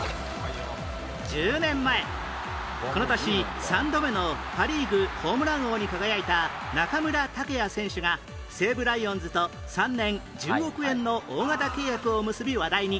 １０年前この年３度目のパ・リーグホームラン王に輝いた中村剛也選手が西武ライオンズと３年１０億円の大型契約を結び話題に